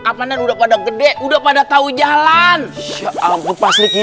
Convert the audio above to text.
kapanan udah pada gede udah pada tahu jalan